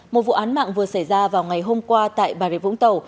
một vụ án mạng vừa xảy ra vào ngày hôm qua tại bà rịa vũng tàu